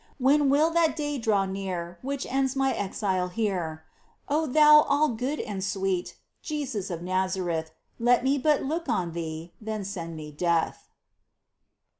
When will that day draw near Which ends my exile here ? O Thou all good and sweet, Jesus of Nazareth ! Let me but look on Thee, Then send me death